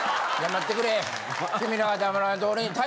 黙ってくれ。